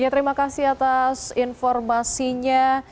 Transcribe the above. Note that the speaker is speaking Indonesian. terima kasih atas informasinya